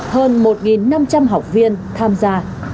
hơn một năm trăm linh học viên tham gia